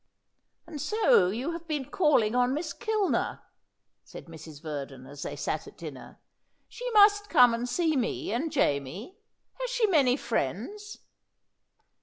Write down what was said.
"And so you have been calling on Miss Kilner?" said Mrs. Verdon, as they sat at dinner. "She must come and see me and Jamie. Has she many friends?"